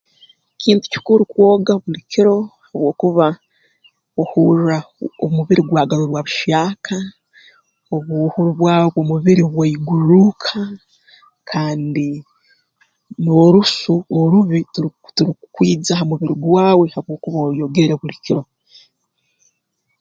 Kintu kikuru kwoga buli kiro habwokuba ohurra omubiri gwagarurwa buhyaka obuhuru bwawe bw'omubiri bwaigurruuka kandi n'orusu orubi turuk turukukwija ha mubiri gwawe habwokuba oyegere buli kiro